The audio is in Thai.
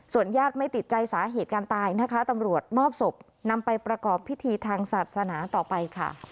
ญาติไม่ติดใจสาเหตุการตายนะคะตำรวจมอบศพนำไปประกอบพิธีทางศาสนาต่อไปค่ะ